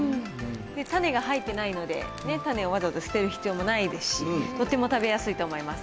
種が入ってないので、種をわざわざ捨てる必要もないですし、とても食べやすいと思います。